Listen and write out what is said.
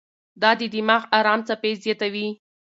دا د دماغ ارام څپې زیاتوي.